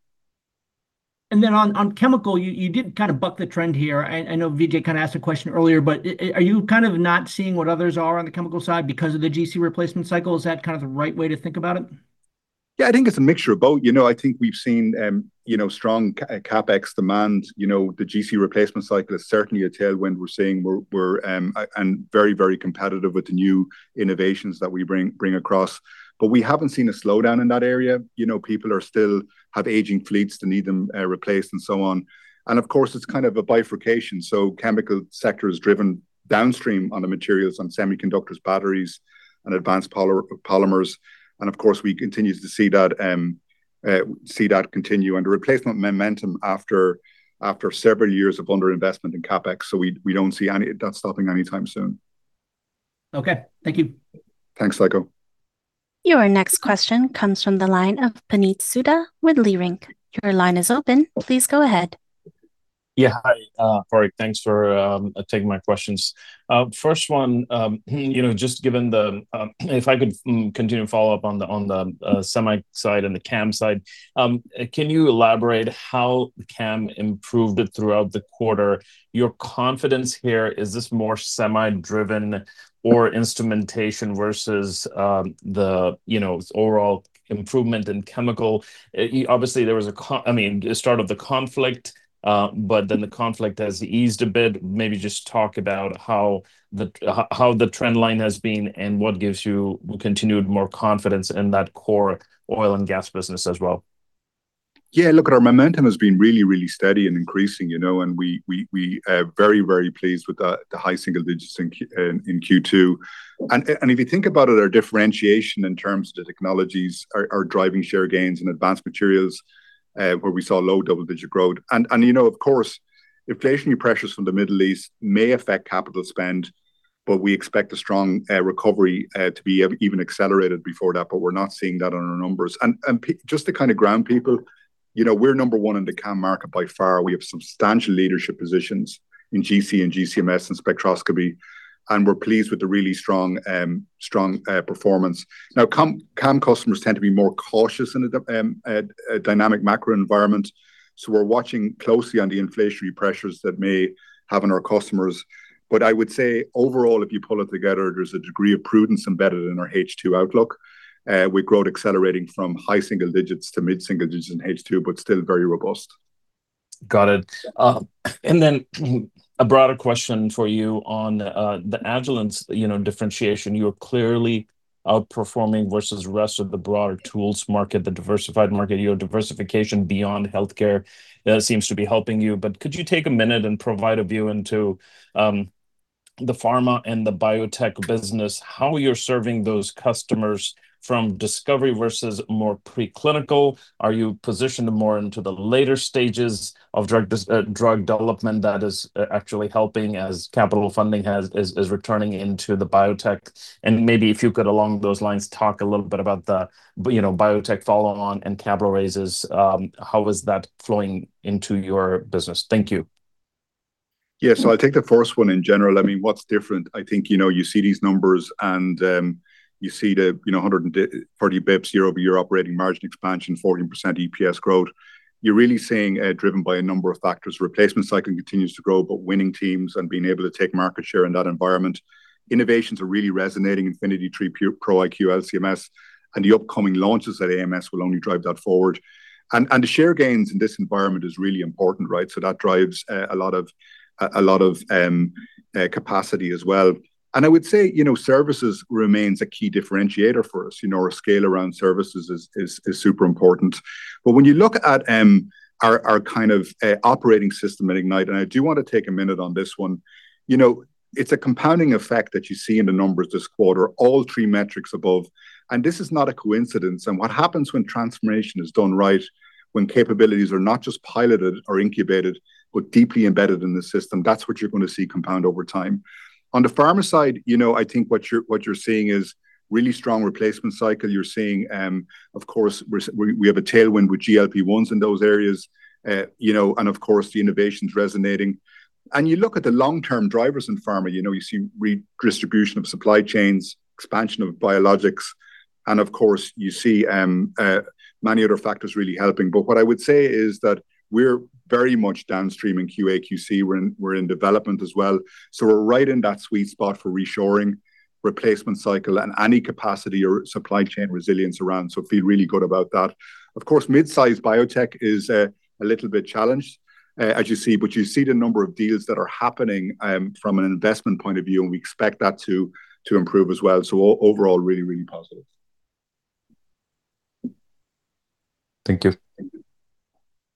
On chemical, you did kind of buck the trend here. I know Vijay kind of asked a question earlier, but are you kind of not seeing what others are on the chemical side because of the GC replacement cycle? Is that kind of the right way to think about it? I think it's a mixture of both, I think we've seen strong CapEx demand. The GC replacement cycle is certainly a tailwind we're seeing, and very competitive with the new innovations that we bring across. We haven't seen a slowdown in that area. People still have aging fleets that need them replaced and so on. Of course, it's kind of a bifurcation. Chemical sector is driven downstream on the materials on semiconductors, batteries, and advanced polymers. Of course, we continue to see that continue under replacement momentum after several years of underinvestment in CapEx. We don't see that stopping anytime soon. Okay, thank you. Thanks, Tycho. Your next question comes from the line of Puneet Souda with Leerink. Your line is open, please go ahead. Yeah, hi, Padraig. Thanks for taking my questions. First one, if I could continue to follow up on the semi side and the CAM side. Can you elaborate how CAM improved throughout the quarter? Your confidence here, is this more semi-driven or instrumentation versus the overall improvement in chemical? Obviously, the start of the conflict, but then the conflict has eased a bit. Maybe just talk about how the trend line has been and what gives you continued more confidence in that core oil and gas business as well. Yeah, look, our momentum has been really steady and increasing. We are very pleased with the high single digits in Q2. If you think about it, our differentiation in terms of the technologies are driving share gains in advanced materials, where we saw low double-digit growth. Of course, inflationary pressures from the Middle East may affect capital spend. We expect a strong recovery to be even accelerated before that. We're not seeing that on our numbers. Just to kind of ground people, we're number one in the CAM market by far. We have substantial leadership positions in GC and GC-MS and spectroscopy. We're pleased with the really strong performance. Now, CAM customers tend to be more cautious in a dynamic macro environment. We're watching closely on the inflationary pressures that may have on our customers. I would say overall, if you pull it together, there's a degree of prudence embedded in our H2 outlook. We grow it accelerating from high single digits to mid-single digits in H2, but still very robust. Got it, a broader question for you on the Agilent differentiation. You're clearly outperforming versus the rest of the broader tools market, the diversified market. Your diversification beyond healthcare seems to be helping you. Could you take a minute and provide a view into the pharma and the biotech business, how you're serving those customers from discovery versus more pre-clinical. Are you positioned more into the later stages of drug development that is actually helping as capital funding is returning into the biotech? Maybe if you could, along those lines, talk a little bit about the biotech follow-on and capital raises. How is that flowing into your business? Thank you. Yeah, I'll take the first one. In general, what's different, I think you see these numbers and you see the 130 basis points year-over-year operating margin expansion, 14% EPS growth. You're really seeing driven by a number of factors. Replacement cycling continues to grow, but winning teams and being able to take market share in that environment. Innovations are really resonating, Infinity III, Pro iQ, LC-MS, and the upcoming launches at ASMS will only drive that forward. The share gains in this environment is really important, so that drives a lot of capacity as well. I would say, services remains a key differentiator for us. Our scale around services is super important. When you look at our operating system at Ignite, and I do want to take a minute on this one. It's a compounding effect that you see in the numbers this quarter, all three metrics above. This is not a coincidence. What happens when transformation is done right, when capabilities are not just piloted or incubated, but deeply embedded in the system, that's what you're going to see compound over time. On the pharma side, I think what you're seeing is really strong replacement cycle. You're seeing, of course, we have a tailwind with GLP-1s in those areas. Of course, the innovation's resonating. You look at the long-term drivers in pharma, you see redistribution of supply chains, expansion of biologics, and of course, you see many other factors really helping. What I would say is that we're very much downstream in QA/QC. We're in development as well. We're right in that sweet spot for reshoring, replacement cycle, and any capacity or supply chain resilience around, feel really good about that. Of course, mid-size biotech is a little bit challenged, as you see, but you see the number of deals that are happening from an investment point of view, and we expect that to improve as well. Overall, really positive. Thank you.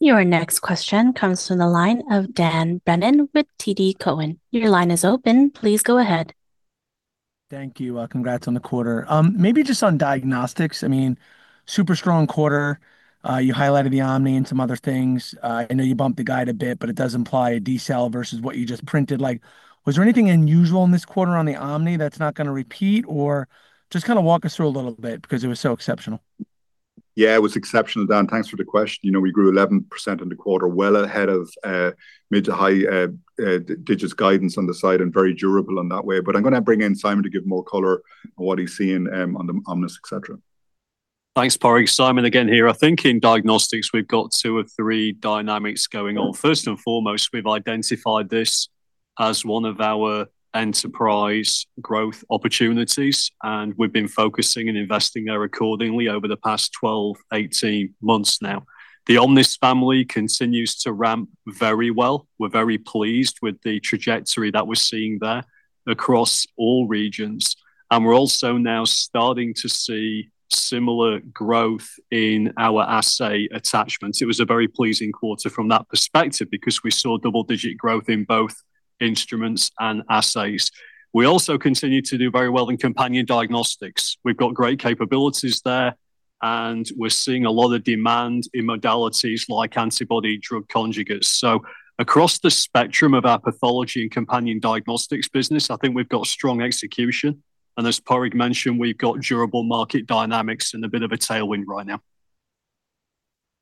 Your next question comes from the line of Dan Brennan with TD Cowen. Your line is open, please go ahead. Thank you, congrats on the quarter. Maybe just on diagnostics, super strong quarter. You highlighted the Omnis and some other things. I know you bumped the guide a bit, but it does imply a decel versus what you just printed. Was there anything unusual in this quarter on the Omnis that's not going to repeat? Just walk us through a little bit because it was so exceptional. Yeah, it was exceptional, Dan. Thanks for the question. We grew 11% in the quarter, well ahead of mid to high digits guidance on this side and very durable in that way. I'm going to bring in Simon to give more color on what he's seeing on the Omnis, et cetera. Thanks, Padraig. Simon again here, I think in diagnostics, we've got two or three dynamics going on. First and foremost, we've identified this as one of our enterprise growth opportunities, and we've been focusing and investing there accordingly over the past 12, 18 months now. The Omnis family continues to ramp very well. We're very pleased with the trajectory that we're seeing there across all regions, and we're also now starting to see similar growth in our assay attachments. It was a very pleasing quarter from that perspective because we saw double-digit growth in both instruments and assays. We also continue to do very well in companion diagnostics. We've got great capabilities there, and we're seeing a lot of demand in modalities like antibody drug conjugates. Across the spectrum of our pathology and companion diagnostics business, I think we've got strong execution. As Padraig mentioned, we've got durable market dynamics and a bit of a tailwind right now.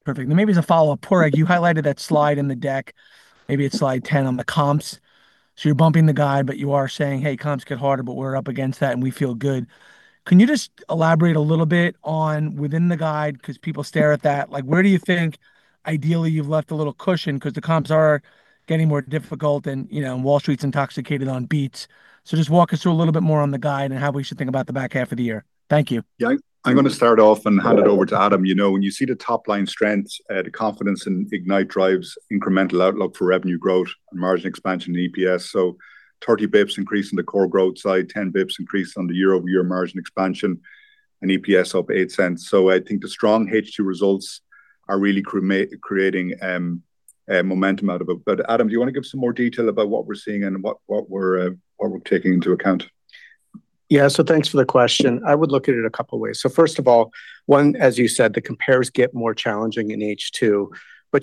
Perfect, maybe as a follow-up, Padraig, you highlighted that slide in the deck, maybe it's slide 10 basis points on the comps. You're bumping the guide, but you are saying, "Hey, comps get harder, but we're up against that and we feel good." Can you just elaborate a little bit on within the guide? Because people stare at that. Where do you think ideally you've left a little cushion because the comps are getting more difficult and Wall Street's intoxicated on beats. Just walk us through a little bit more on the guide and how we should think about the back half of the year? Thank you. Yeah, I'm going to start off and hand it over to Adam. When you see the top-line strength, the confidence in Ignite drives incremental outlook for revenue growth and margin expansion in EPS. 30 basis points increase in the core growth side, 10 basis points increase on the year-over-year margin expansion, and EPS up $0.08. I think the strong H2 results are really creating momentum out of it. Adam, do you want to give some more detail about what we're seeing and what we're taking into account? Yeah, thanks for the question, I would look at it a couple ways. First of all, one, as you said, the compares get more challenging in H2.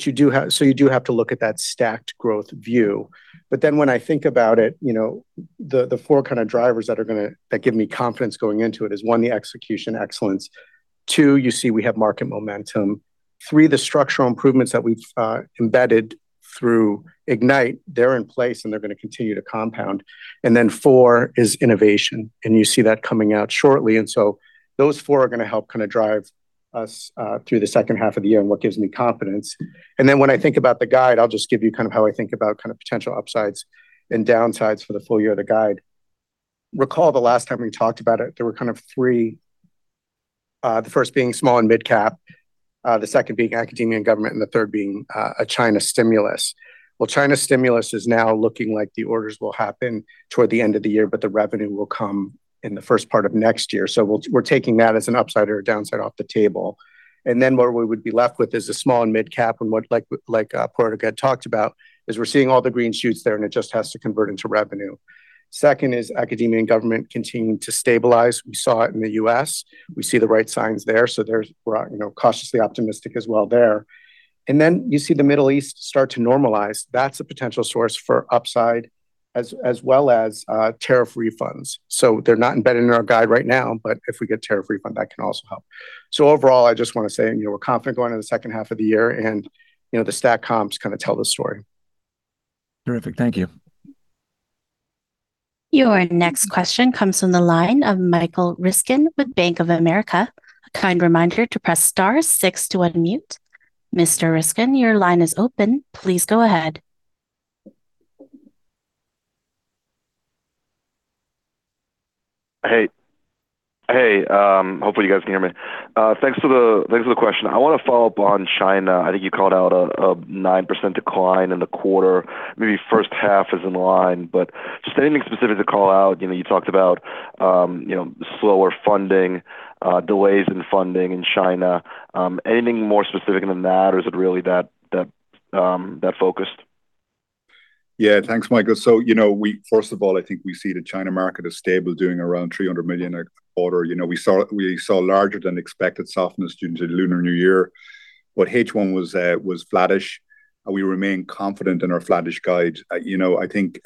You do have to look at that stacked growth view. When I think about it, the four drivers that give me confidence going into it is, one, the execution excellence. Two, you see we have market momentum. Three, the structural improvements that we've embedded through Ignite, they're in place and they're going to continue to compound. Four is innovation, and you see that coming out shortly. Those four are going to help drive us through the second half of the year and what gives me confidence. When I think about the guide, I'll just give you how I think about potential upsides and downsides for the full year of the guide. Recall the last time we talked about it, there were three, the first being small and mid-cap, the second being academia and government, and the third being a China stimulus. China stimulus is now looking like the orders will happen toward the end of the year, but the revenue will come in the first part of next year. We're taking that as an upside or a downside off the table. What we would be left with is the small and mid-cap and what Padraig had talked about, is we're seeing all the green shoots there and it just has to convert into revenue. Second is academia and government continuing to stabilize. We saw it in the U.S. We see the right signs there. We're cautiously optimistic as well there. You see the Middle East start to normalize. That's a potential source for upside as well as tariff refunds. They're not embedded in our guide right now, but if we get tariff refund, that can also help. Overall, I just want to say, we're confident going into the second half of the year, and the stack comps kind of tell the story. Terrific, thank you. Your next question comes from the line of Michael Ryskin with Bank of America. A kind reminder to press star six to unmute. Mr. Ryskin, your line is open, please go ahead. Hey. Hopefully you guys can hear me. Thanks for the question. I want to follow up on China. I think you called out a 9% decline in the quarter. Maybe first half is in line, but just anything specific to call out. You talked about slower funding, delays in funding in China. Anything more specific than that, or is it really that focused? Yeah, thanks, Michael. First of all, I think we see the China market as stable, doing around $300 million a quarter. We saw larger than expected softness due to the Lunar New Year, but H1 was flattish. We remain confident in our flattish guide. I think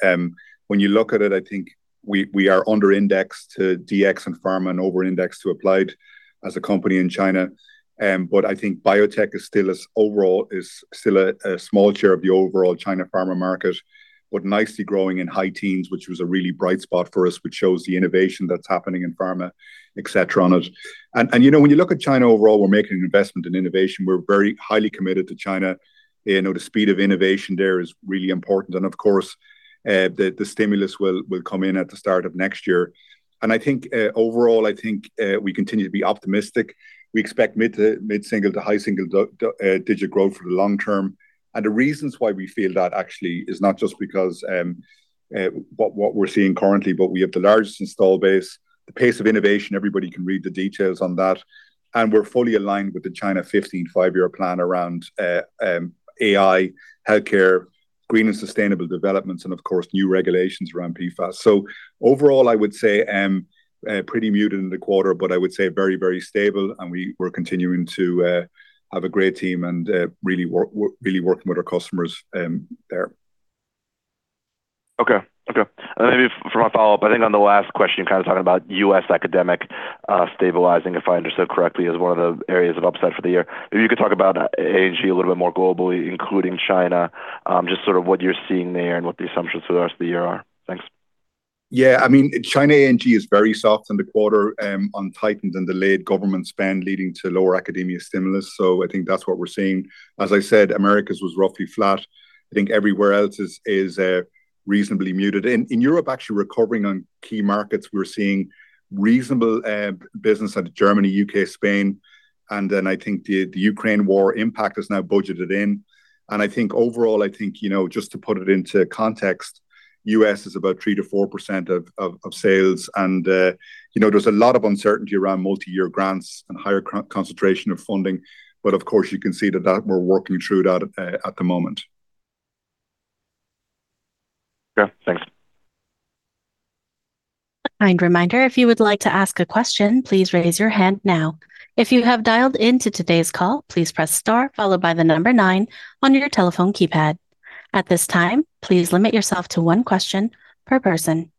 when you look at it, I think we are under-indexed to DX and pharma and over-indexed to applied as a company in China. I think biotech overall is still a small share of the overall China pharma market, but nicely growing in high teens, which was a really bright spot for us, which shows the innovation that's happening in pharma, et cetera, on it. When you look at China overall, we're making an investment in innovation. We're very highly committed to China. The speed of innovation there is really important. Of course, the stimulus will come in at the start of next year. Overall, I think we continue to be optimistic. We expect mid-single to high single-digit growth for the long term. The reasons why we feel that actually is not just because what we're seeing currently, but we have the largest install base, the pace of innovation, everybody can read the details on that, and we're fully aligned with the China's 15th Five-Year Plan around AI, healthcare, green and sustainable developments, and of course, new regulations around PFAS. Overall, I would say pretty muted in the quarter, but I would say very, very stable, and we're continuing to have a great team and really working with our customers there. Okay, maybe for my follow-up, I think on the last question, you kind of talking about U.S. academic stabilizing, if I understood correctly, as one of the areas of upside for the year. If you could talk about A&G a little bit more globally, including China, just sort of what you're seeing there and what the assumptions for the rest of the year are? Thanks. Yeah, China A&G is very soft in the quarter on tightened and delayed government spend, leading to lower academia stimulus. I think that's what we're seeing. As I said, Americas was roughly flat. I think everywhere else is reasonably muted. In Europe, actually recovering on key markets. We're seeing reasonable business out of Germany, U.K., Spain, and then I think the Ukraine war impact is now budgeted in. I think overall, just to put it into context, U.S. is about 3%-4% of sales. There's a lot of uncertainty around multi-year grants and higher concentration of funding. Of course, you can see that we're working through that at the moment. Okay, thanks. A kind reminder, if you would like to ask a question, please raise your hand now. At this time, please limit yourself to one question per person.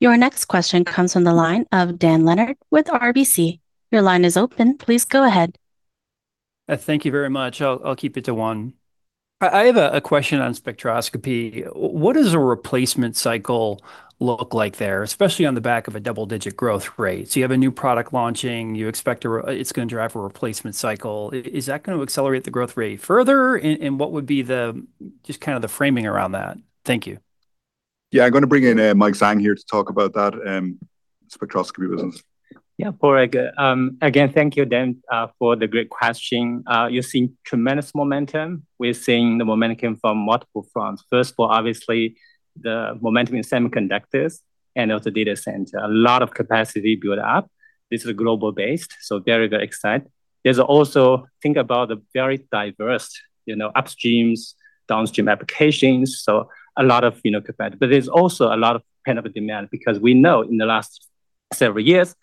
Your next question comes from the line of Dan Leonard with RBC. Your line is open, please go ahead. Thank you very much. I'll keep it to one. I have a question on spectroscopy. What does a replacement cycle look like there, especially on the back of a double-digit growth rate? You have a new product launching, you expect it's going to drive a replacement cycle. Is that going to accelerate the growth rate further? What would be just kind of the framing around that? Thank you. Yeah, I'm going to bring in Mike Zhang here to talk about that spectroscopy business. Yeah, Padraig. Again, thank you, Dan, for the great question. You're seeing tremendous momentum. We're seeing the momentum from multiple fronts. First of all, obviously, the momentum in semiconductors and also data center. A lot of capacity build-up. This is global based, very good excitement. There's also, think about the very diverse upstreams, downstream applications, a lot of capacity. There's also a lot of pent-up demand because we know in the last several years,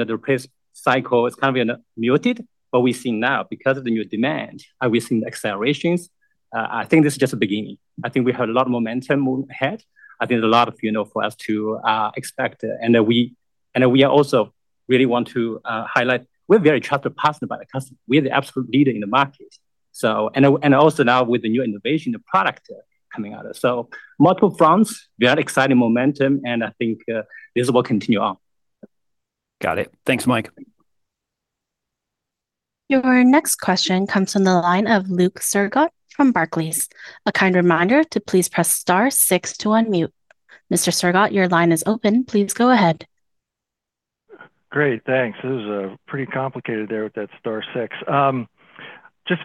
the replace cycle is kind of muted. We're seeing now because of the new demand, are we seeing accelerations? I think this is just the beginning. I think we have a lot of momentum ahead. I think there's a lot for us to expect. We also really want to highlight; we're very trusted partner by the customer, we are the absolute leader in the market. Also now with the new innovation, the product coming out. Multiple fronts, very exciting momentum, and I think this will continue on. Got it, thanks, Mike. Your next question comes from the line of Luke Sergott from Barclays, a kind reminder to press star six to unmute. Mr. Sergott, your line is open. Please go ahead. Great, thanks. This is pretty complicated there with that star six.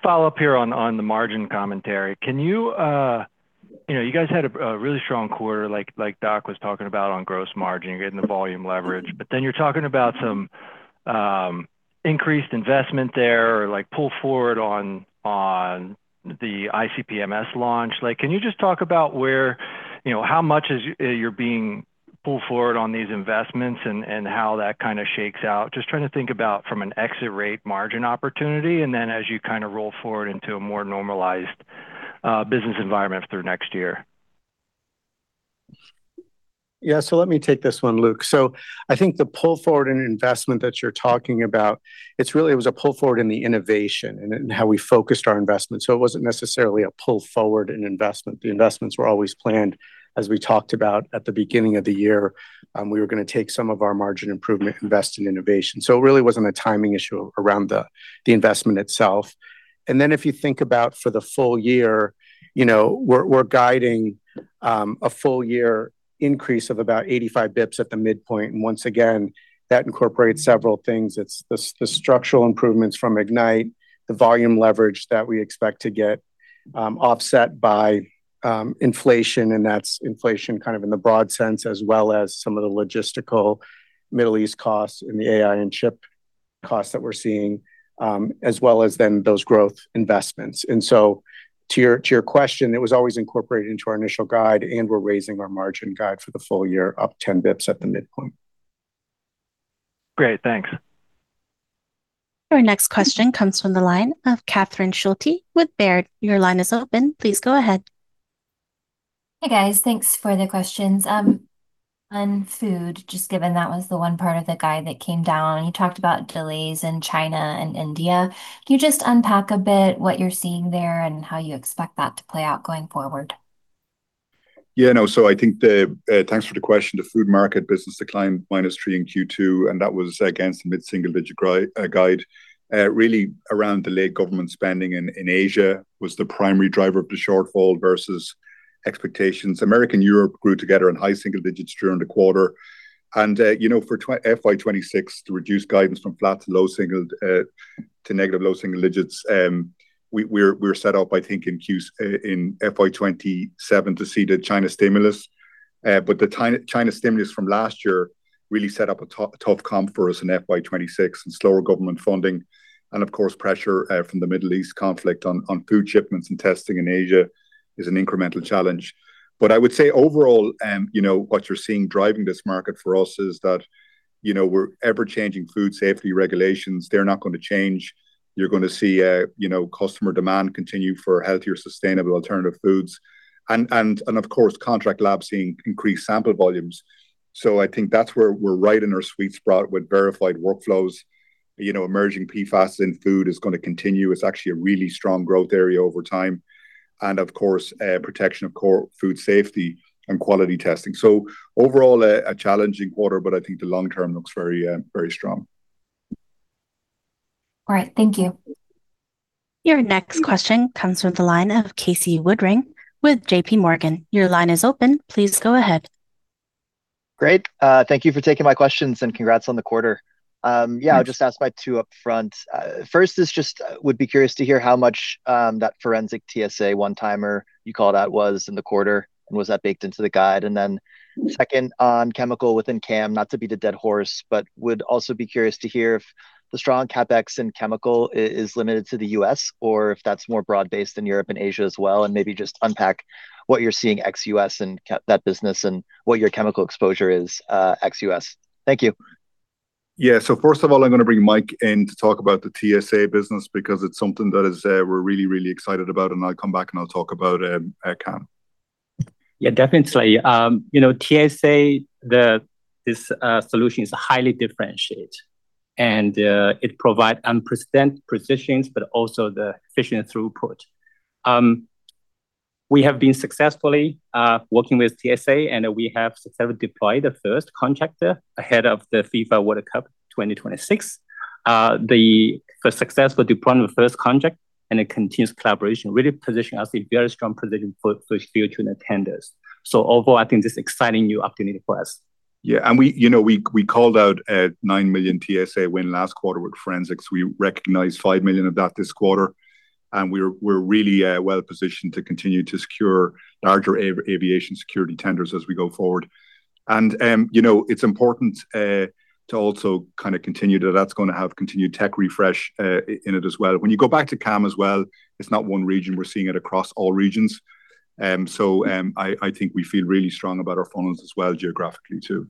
Follow up here on the margin commentary. You guys had a really strong quarter like Doc was talking about on gross margin. You're getting the volume leverage, you're talking about some increased investment there or pull forward on the ICP-MS launch. Can you just talk about how much you're being pulled forward on these investments and how that kind of shakes out? Trying to think about from an exit rate margin opportunity, as you kind of roll forward into a more normalized business environment through next year. Yeah, let me take this one, Luke. I think the pull forward in investment that you're talking about, it's really was a pull forward in the innovation and in how we focused our investments. It wasn't necessarily a pull forward in investment. The investments were always planned, as we talked about at the beginning of the year, we were going to take some of our margin improvement, invest in innovation. It really wasn't a timing issue around the investment itself. If you think about for the full year, we're guiding a full year increase of about 85 basis points at the midpoint, and once again, that incorporates several things. It's the structural improvements from Ignite, the volume leverage that we expect to get, offset by inflation, and that's inflation kind of in the broad sense, as well as some of the logistical Middle East costs and the AI and chip costs that we're seeing, as well as then those growth investments. To your question, it was always incorporated into our initial guide, and we're raising our margin guide for the full year up 10 basis points at the midpoint. Great, thanks. Our next question comes from the line of Catherine Schulte with Baird. Your line is open, please go ahead. Hey, guys, thanks for the questions. On food, just given that was the one part of the guide that came down, you talked about delays in China and India. Can you just unpack a bit what you're seeing there and how you expect that to play out going forward? Yeah, no, thanks for the question. The food market business declined -3% in Q2, and that was against the mid-single digit guide. Really around delayed government spending in Asia was the primary driver of the shortfall versus expectations. America and Europe grew together in high single digits during the quarter. For FY 2026 to reduce guidance from flat to negative low single digits, we're set up, I think, in FY 2027 to see the China stimulus. The China stimulus from last year really set up a tough comp for us in FY 2026 and slower government funding, and of course, pressure from the Middle East conflict on food shipments and testing in Asia is an incremental challenge. I would say overall, what you're seeing driving this market for us is that we're ever-changing food safety regulations, they're not going to change. You're going to see customer demand continue for healthier, sustainable alternative foods. Of course, contract labs seeing increased sample volumes. I think that's where we're right in our sweet spot with verified workflows. Emerging PFAS in food is going to continue. It's actually a really strong growth area over time. Of course, protection of core food safety and quality testing. Overall, a challenging quarter, but I think the long term looks very strong. All right, thank you. Your next question comes from the line of Casey Woodring with JPMorgan. Great, thank you for taking my questions, and congrats on the quarter. Thanks. Yeah, I'll just ask my two up front. First is just would be curious to hear how much that forensic TSA one-timer you called out was in the quarter, and was that baked into the guide? Second, on chemical within CAM, not to beat a dead horse, but would also be curious to hear if the strong CapEx in chemical is limited to the U.S. or if that's more broad-based in Europe and Asia as well, and maybe just unpack what you're seeing ex-U.S. in that business and what your chemical exposure is ex-U.S.? Thank you. Yeah, first of all, I'm going to bring Mike in to talk about the TSA business because it's something that we're really, really excited about, and I'll come back, and I'll talk about CAM. Yeah, definitely. TSA, this solution is highly differentiated, and it provide unprecedented precision, but also the efficient throughput. We have been successfully working with TSA, and we have successfully deployed the first contract ahead of the FIFA World Cup 2026. The successful deployment of the first contract and a continuous collaboration really position us a very strong position for future tenders. Overall, I think this exciting new opportunity for us. We called out a $9 million TSA win last quarter with forensics. We recognized $5 million of that this quarter. We're really well-positioned to continue to secure larger aviation security tenders as we go forward. It's important to also kind of continue that that's going to have continued tech refresh in it as well. You go back to AMG as well; it's not one region. We're seeing it across all regions. I think we feel really strong about our funnels as well geographically, too.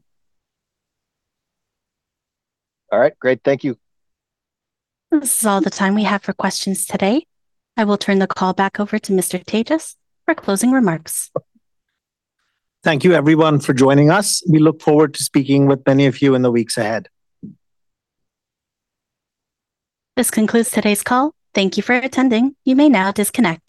All right, great, thank you. This is all the time we have for questions today. I will turn the call back over to Mr. Tejas for closing remarks. Thank you, everyone, for joining us. We look forward to speaking with many of you in the weeks ahead. This concludes today's call, thank you for attending, you may now disconnect.